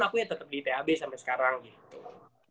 aku ya tetap di tab sampai sekarang gitu